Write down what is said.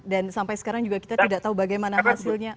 dan sampai sekarang juga kita tidak tahu bagaimana hasilnya